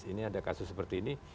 ini ada kasus seperti ini